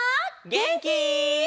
げんき？